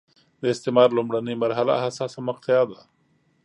د استعمار لومړنۍ مرحله حساسه مقطعه وه.